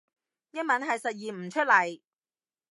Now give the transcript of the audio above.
英文係實現唔出嚟